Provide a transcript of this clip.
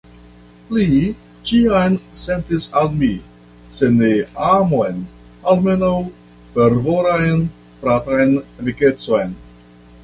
Li ĉiam sentis al mi, se ne amon, almenaŭ fervoran fratan amikecon.